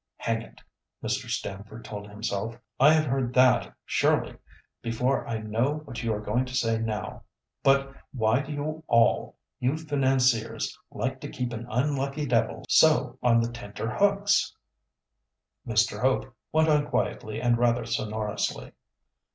("Hang it!" Mr. Stamford told himself; "I have heard that surely before. I know what you are going to say now. But why do you all, you financiers, like to keep an unlucky devil so on the tenter hooks?") Mr. Hope went on quietly and rather sonorously.